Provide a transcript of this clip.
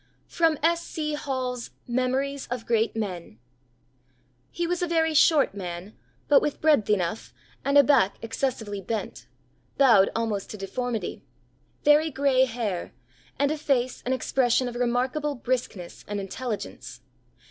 [Sidenote: S. C. Hall's Memories of Great Men.] "He was a very short man, but with breadth enough, and a back excessively bent bowed almost to deformity; very gray hair, and a face and expression of remarkable briskness and intelligence.